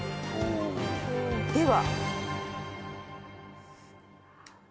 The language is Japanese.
では。